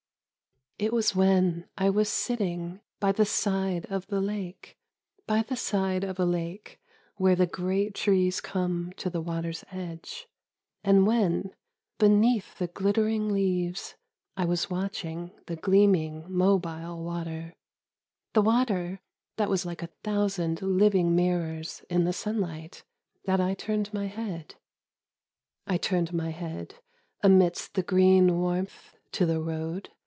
It was when I was sitting by the side of the lake, By the side of a lake where the great trees come to the water's edge, And when, beneath the glittering leaves, I was watching the gleaming, mobile water; the water that was like a thousand living mirrors in the sun light, that I turned my head .... I turned my head, amidst the green warmth, to the road.